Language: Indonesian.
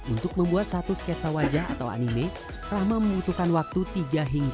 untuk membuat satu sketsa wajah atau anime rahma membutuhkan waktu tiga hingga